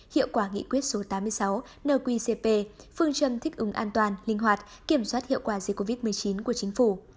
hiệu quả nghị quyết số tám mươi sáu nqcp phương châm thích ứng an toàn linh hoạt kiểm soát hiệu quả dịch covid một mươi chín của chính phủ